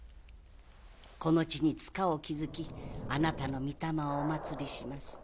この地に塚を築きあなたの御霊をお祭りします。